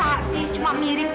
masa sih cuma mirip